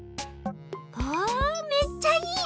ああめっちゃいい！